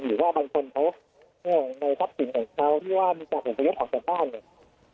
หรือว่าบางคนเขาเนี้ยในทัพสิ่งแห่งเขาที่ว่ามันจะเป็นสุดยอดของกระบาดเนี้ย